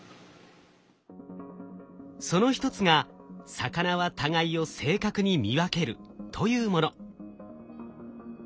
その一つが魚は互いを正確に見分けるというもの。